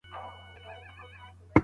خلګ باید دا بد رواجونه ونه ساتي.